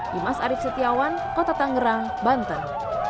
dimas arief setiawan kota tangerang banten